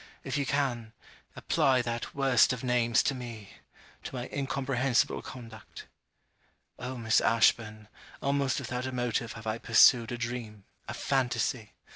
If you can apply that worst of names to me to my incomprehensible conduct. Oh, Miss Ashburn, almost without a motive have I pursued a dream, a phantasy!